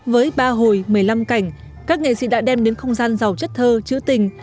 với ba hồi một mươi năm cảnh các nghệ sĩ đã đem đến không gian giàu chất thơ chữ tình